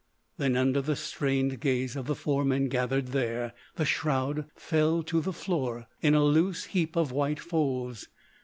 Then, under the strained gaze of the four men gathered there, the shroud fell to the floor in a loose heap of white folds.